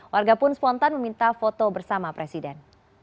warga pun spontan meminta foto bersama presiden